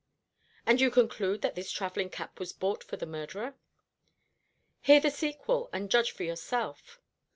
"And you conclude that this travelling cap was bought for the murderer?" "Hear the sequel, and judge for yourself.